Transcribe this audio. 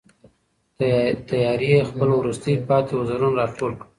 تیارې خپل وروستي پاتې وزرونه را ټول کړل.